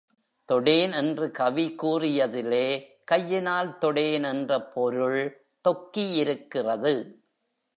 தொடேன் என்று கவி கூறியதிலே, கையினால் தொடேன் என்ற பொருள் தொக்கியிருக்கிறது.